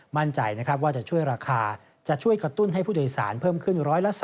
มั่นใจนะครับว่าจะช่วยราคาจะช่วยกระตุ้นให้ผู้โดยสารเพิ่มขึ้น๑๓